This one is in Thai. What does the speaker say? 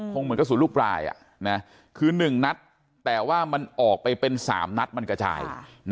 เหมือนกระสุนลูกปลายคือ๑นัดแต่ว่ามันออกไปเป็น๓นัดมันกระจาย